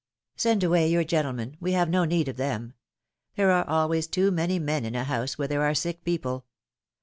^^Send away your gentlemen ; we have no need of them. There are always too many men in a house where there are sick people.